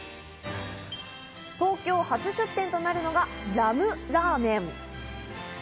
東京初出店となるのがラムラーメン。